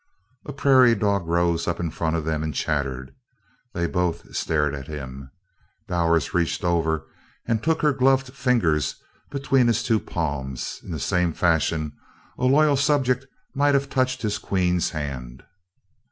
A prairie dog rose up in front of them and chattered. They both stared at him. Bowers reached over and took her gloved fingers between his two palms in the same fashion a loyal subject might have touched his queen's hand.